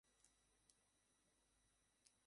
যাইহোক, আমরা অনুষ্ঠানের পরে কথা বলবো।